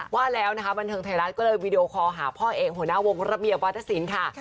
ว่าแล้วนะคะบันเทิงไทยรัฐก็เลยวีดีโอคอลหาพ่อเองหัวหน้าวงระเบียบวัฒนศิลป์ค่ะ